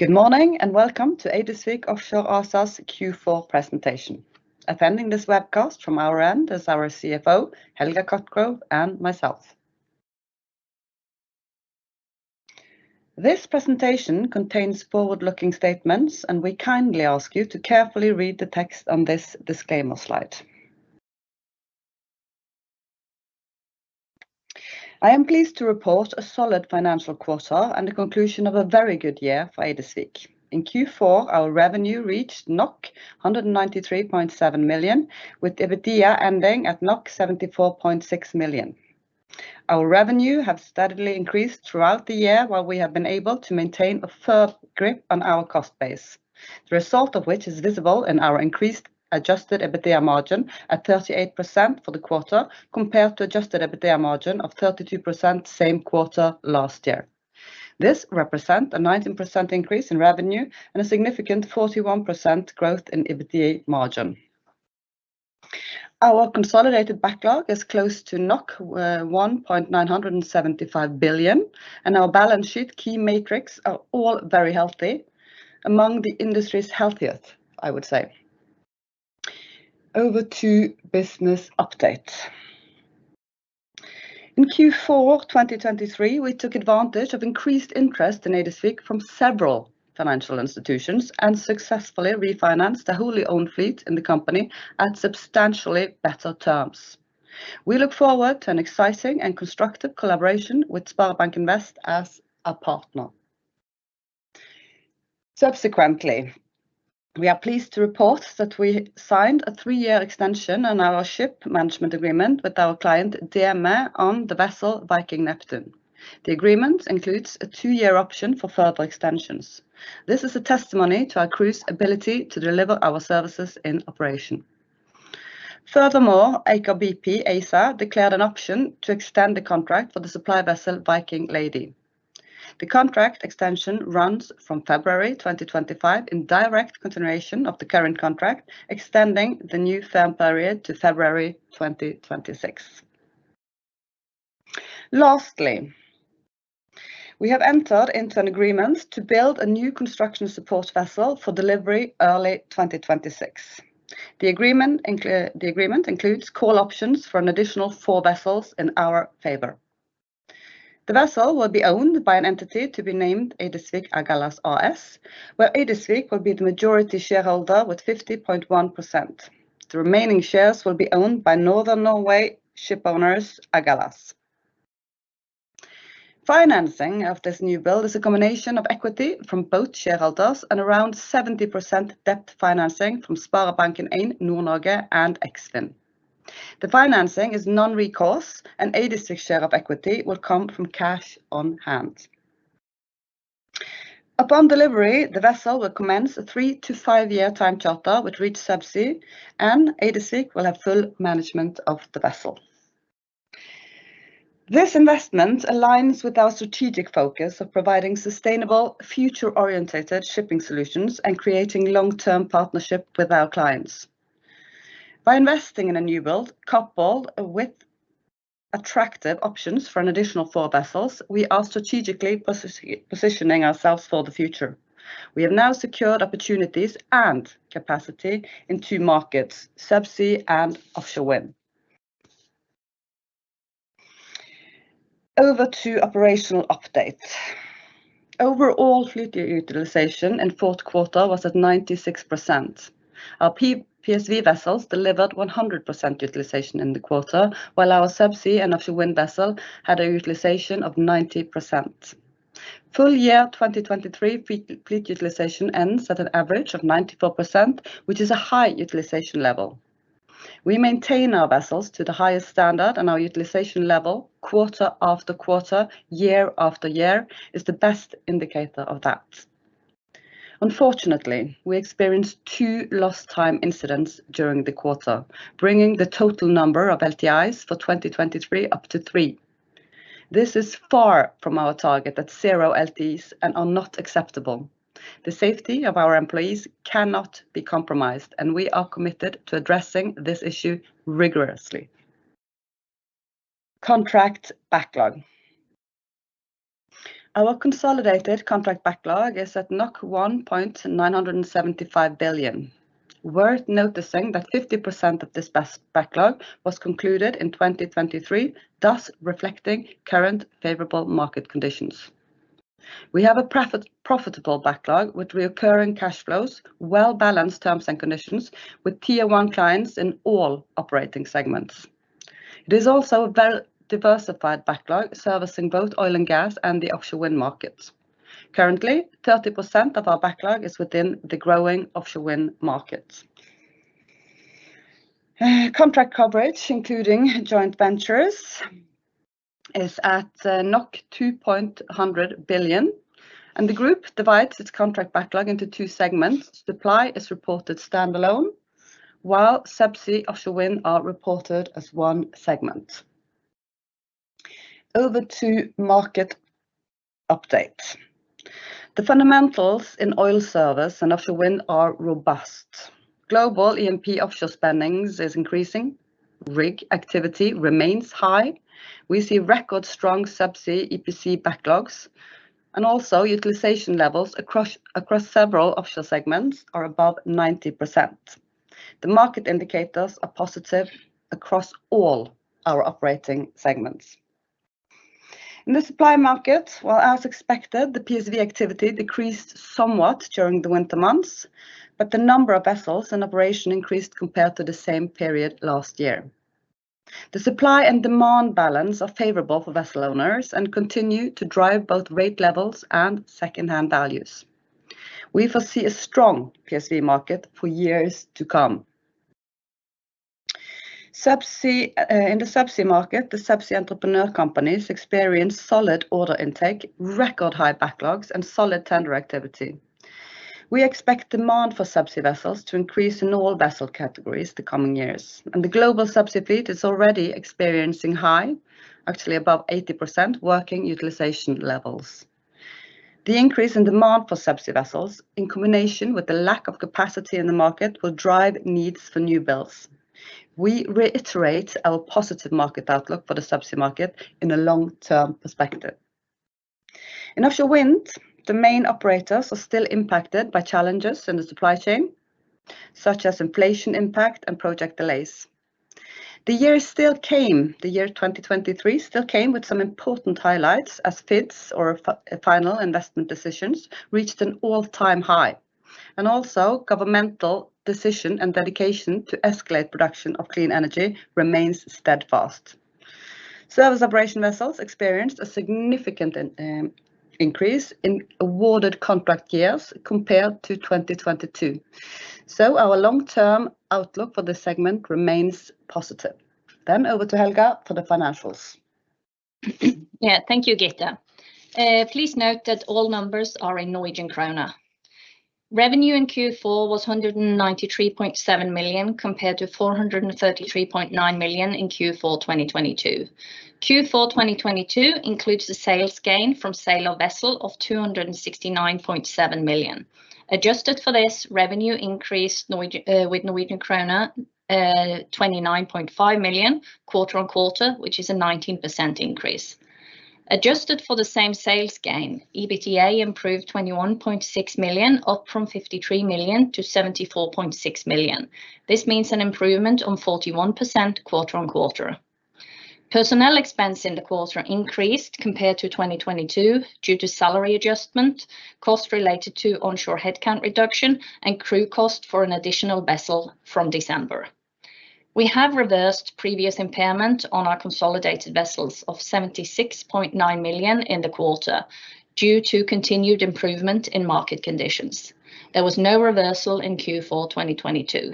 Good morning and welcome to Eidesvik Offshore ASA's Q4 presentation. Attending this webcast from our end is our CFO, Helga Cotgrove, and myself. This presentation contains forward-looking statements, and we kindly ask you to carefully read the text on this disclaimer slide. I am pleased to report a solid financial quarter and the conclusion of a very good year for Eidesvik. In Q4, our revenue reached 193.7 million, with EBITDA ending at 74.6 million. Our revenue has steadily increased throughout the year while we have been able to maintain a firm grip on our cost base, the result of which is visible in our increased adjusted EBITDA margin at 38% for the quarter compared to adjusted EBITDA margin of 32% same quarter last year. This represents a 19% increase in revenue and a significant 41% growth in EBITDA margin. Our consolidated backlog is close to 1.975 billion, and our balance sheet key metrics are all very healthy, among the industry's healthiest, I would say. Over to business updates. In Q4 2023, we took advantage of increased interest in Eidesvik from several financial institutions and successfully refinanced the wholly owned fleet in the company at substantially better terms. We look forward to an exciting and constructive collaboration with Sparebanken Vest as a partner. Subsequently, we are pleased to report that we signed a three-year extension on our ship management agreement with our client, DEME, on the vessel Viking Neptun. The agreement includes a two-year option for further extensions. This is a testimony to our crew's ability to deliver our services in operation. Furthermore, Aker BP ASA declared an option to extend the contract for the supply vessel Viking Lady. The contract extension runs from February 2025 in direct continuation of the current contract, extending the new firm period to February 2026. Lastly, we have entered into an agreement to build a new construction support vessel for delivery early 2026. The agreement includes call options for an additional four vessels in our favor. The vessel will be owned by an entity to be named Eidesvik Agalas AS, where Eidesvik will be the majority shareholder with 50.1%. The remaining shares will be owned by Northern Norway shipowners Agalas. Financing of this new build is a combination of equity from both shareholders and around 70% debt financing from SpareBank 1 Nord-Norge and Eksfin. The financing is non-recourse, and Eidesvik's share of equity will come from cash on hand. Upon delivery, the vessel will commence a three- to five-year time charter with Reach Subsea, and Eidesvik will have full management of the vessel. This investment aligns with our strategic focus of providing sustainable, future-oriented shipping solutions and creating long-term partnership with our clients. By investing in a new build coupled with attractive options for an additional four vessels, we are strategically positioning ourselves for the future. We have now secured opportunities and capacity in two markets, subsea and offshore wind. Over to operational updates. Overall fleet utilization in fourth quarter was at 96%. Our PSV vessels delivered 100% utilization in the quarter, while our subsea and offshore wind vessel had a utilization of 90%. Full year 2023 fleet utilization ends at an average of 94%, which is a high utilization level. We maintain our vessels to the highest standard, and our utilization level quarter after quarter, year after year, is the best indicator of that. Unfortunately, we experienced two lost-time incidents during the quarter, bringing the total number of LTIs for 2023 up to three. This is far from our target at zero LTIs and are not acceptable. The safety of our employees cannot be compromised, and we are committed to addressing this issue rigorously. Contract backlog. Our consolidated contract backlog is at 1.975 billion. Worth noticing that 50% of this backlog was concluded in 2023, thus reflecting current favorable market conditions. We have a profitable backlog with recurring cash flows, well-balanced terms and conditions, with tier one clients in all operating segments. It is also a very diversified backlog servicing both oil and gas and the offshore wind markets. Currently, 30% of our backlog is within the growing offshore wind markets. Contract coverage, including joint ventures, is at 2.100 billion, and the group divides its contract backlog into two segments. Supply is reported standalone, while subsea offshore wind are reported as one segment. Over to market updates. The fundamentals in oil service and offshore wind are robust. Global E&P offshore spending is increasing. Rig activity remains high. We see record strong subsea EPC backlogs, and also utilization levels across several offshore segments are above 90%. The market indicators are positive across all our operating segments. In the supply market, while as expected, the PSV activity decreased somewhat during the winter months, but the number of vessels in operation increased compared to the same period last year. The supply and demand balance are favorable for vessel owners and continue to drive both rate levels and secondhand values. We foresee a strong PSV market for years to come. In the subsea market, the subsea entrepreneur companies experience solid order intake, record high backlogs, and solid tender activity. We expect demand for subsea vessels to increase in all vessel categories the coming years, and the global subsea fleet is already experiencing high, actually above 80%, working utilization levels. The increase in demand for subsea vessels, in combination with the lack of capacity in the market, will drive needs for new builds. We reiterate our positive market outlook for the subsea market in a long-term perspective. In offshore wind, the main operators are still impacted by challenges in the supply chain, such as inflation impact and project delays. The year 2023 still came with some important highlights as FIDs, or Final Investment Decisions, reached an all-time high, and also governmental decision and dedication to escalate production of clean energy remains steadfast. Service operation vessels experienced a significant increase in awarded contract years compared to 2022, so our long-term outlook for this segment remains positive. Then over to Helga for the financials. Yeah, thank you, Gitte. Please note that all numbers are in Norwegian kroner. Revenue in Q4 was 193.7 million compared to 433.9 million in Q4 2022. Q4 2022 includes the sales gain from sale of vessel of 269.7 million. Adjusted for this, revenue increased with Norwegian krone 29.5 million quarter-on-quarter, which is a 19% increase. Adjusted for the same sales gain, EBITDA improved 21.6 million, up from 53 million-74.6 million. This means an improvement on 41% quarter-on-quarter. Personnel expense in the quarter increased compared to 2022 due to salary adjustment, cost related to onshore headcount reduction, and crew cost for an additional vessel from December. We have reversed previous impairment on our consolidated vessels of 76.9 million in the quarter due to continued improvement in market conditions. There was no reversal in Q4 2022.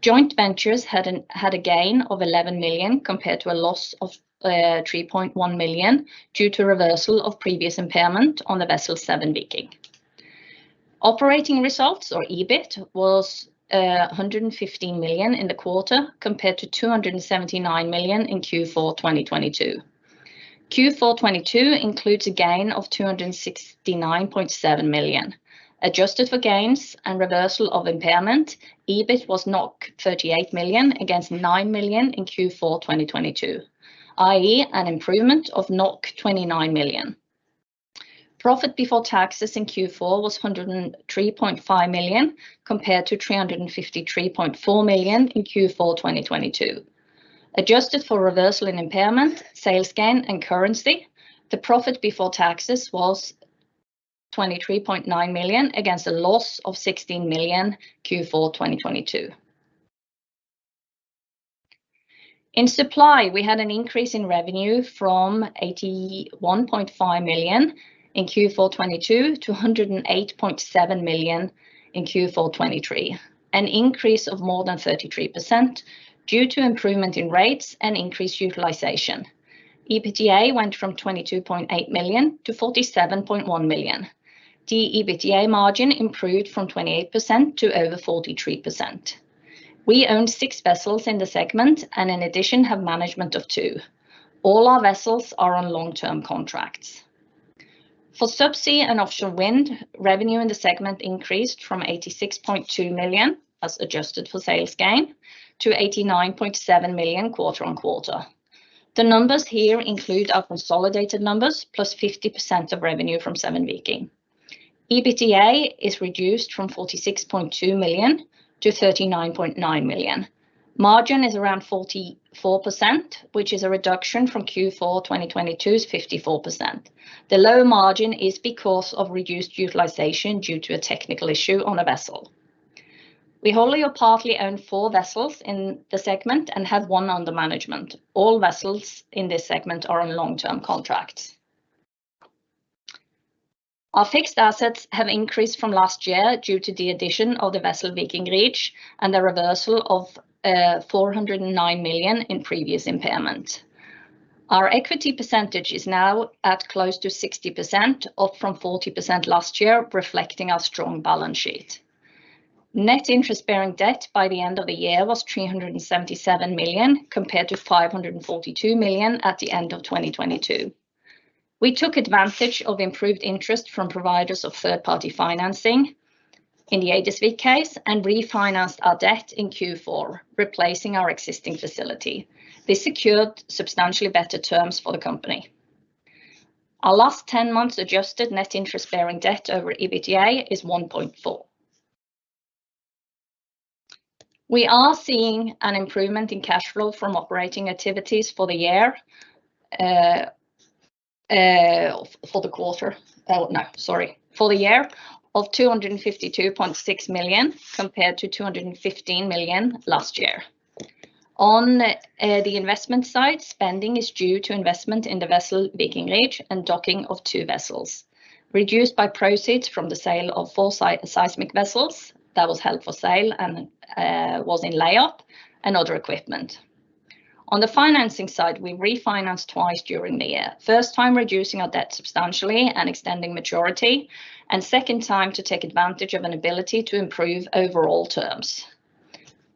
Joint ventures had a gain of 11 million compared to a loss of 3.1 million due to reversal of previous impairment on the vessel Seven Viking. Operating results, or EBIT, was 115 million in the quarter compared to 279 million in Q4 2022. Q4 2022 includes a gain of 269.7 million. Adjusted for gains and reversal of impairment, EBIT was 38 million against 9 million in Q4 2022, i.e., an improvement of 29 million. Profit before taxes in Q4 was 103.5 million compared to 353.4 million in Q4 2022. Adjusted for reversal in impairment, sales gain, and currency, the profit before taxes was 23.9 million against a loss of 16 million Q4 2022. In supply, we had an increase in revenue from 81.5 million in Q4 2022 to 108.7 million in Q4 2023, an increase of more than 33% due to improvement in rates and increased utilization. EBITDA went from 22.8 million-47.1 million. The EBITDA margin improved from 28% to over 43%. We own six vessels in the segment and, in addition, have management of two. All our vessels are on long-term contracts. For subsea and offshore wind, revenue in the segment increased from 86.2 million as adjusted for sales gain to 89.7 million quarter on quarter. The numbers here include our consolidated numbers +50% of revenue from Seven Viking. EBITDA is reduced from 46.2 million-39.9 million. Margin is around 44%, which is a reduction from Q4 2022's 54%. The low margin is because of reduced utilization due to a technical issue on a vessel. We wholly or partly own four vessels in the segment and have one under management. All vessels in this segment are on long-term contracts. Our fixed assets have increased from last year due to the addition of the vessel Viking Reach and the reversal of 409 million in previous impairment. Our equity percentage is now at close to 60%, up from 40% last year, reflecting our strong balance sheet. Net interest-bearing debt by the end of the year was 377 million compared to 542 million at the end of 2022. We took advantage of improved interest from providers of third-party financing in the Eidesvik case and refinanced our debt in Q4, replacing our existing facility. This secured substantially better terms for the company. Our last 10 months' adjusted net interest-bearing debt over EBITDA is 1.4. We are seeing an improvement in cash flow from operating activities for the year for the quarter no, sorry, for the year of 252.6 million compared to 215 million last year. On the investment side, spending is due to investment in the vessel Viking Reach and docking of two vessels, reduced by proceeds from the sale of four seismic vessels that was held for sale and was in layoff, and other equipment. On the financing side, we refinanced twice during the year, first time reducing our debt substantially and extending maturity, and second time to take advantage of an ability to improve overall terms.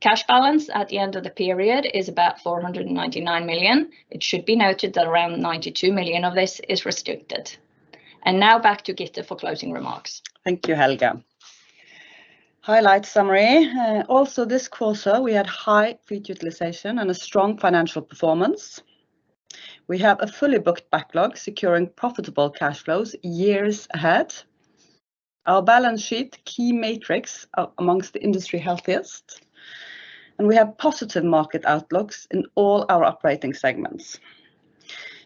Cash balance at the end of the period is about 499 million. It should be noted that around 92 million of this is restricted. And now back to Gitte for closing remarks. Thank you, Helga. Highlight summary. Also, this quarter, we had high fleet utilization and a strong financial performance. We have a fully booked backlog securing profitable cash flows years ahead. Our balance sheet key metrics amongst the industry healthiest, and we have positive market outlooks in all our operating segments.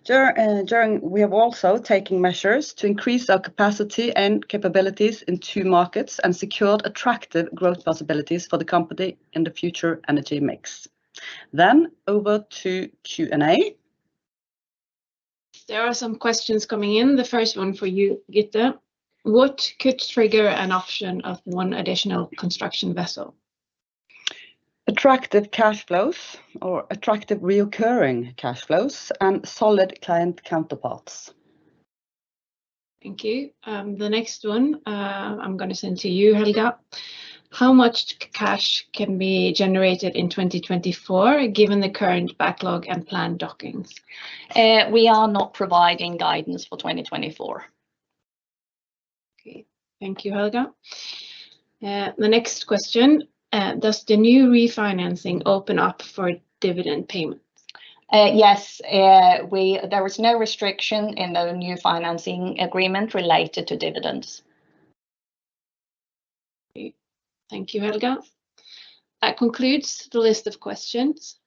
We have also taken measures to increase our capacity and capabilities in two markets and secured attractive growth possibilities for the company in the future energy mix. Then over to Q&A. There are some questions coming in. The first one for you, Gitte. What could trigger an option of one additional construction vessel? Attractive cash flows or attractive recurring cash flows and solid client counterparts. Thank you. The next one I'm going to send to you, Helga. How much cash can be generated in 2024 given the current backlog and planned dockings? We are not providing guidance for 2024. Okay. Thank you, Helga. The next question. Does the new refinancing open up for dividend payments? Yes. There was no restriction in the new financing agreement related to dividends. Okay. Thank you, Helga. That concludes the list of questions.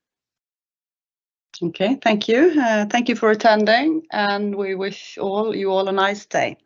Okay. Thank you. Thank you for attending, and we wish you all a nice day.